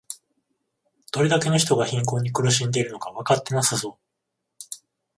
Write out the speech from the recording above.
どれだけの人が貧困に苦しんでいるのかわかってなさそう